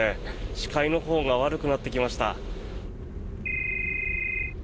視界のほうが悪くなってきました。